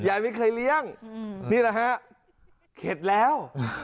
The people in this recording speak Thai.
ยายไม่เคยเลี้ยงนี่แหละฮะเข็ดแล้ว